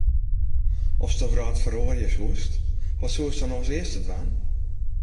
Ast de wrâld feroarje soest, wat soest dan as earste dwaan?